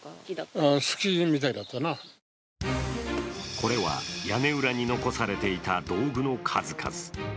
これは屋根裏に残されていた道具の数々。